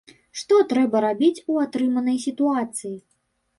Што трэба рабіць у атрыманай сітуацыі?